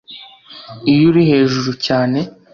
iyo uri hejuru cyane